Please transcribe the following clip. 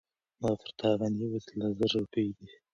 زما پر تا باندي اوس لس زره روپۍ دي